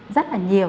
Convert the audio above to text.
rất là nhiều